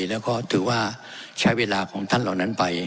แล้วก็ถือว่าใช้เวลาของท่านเหล่านั้นไป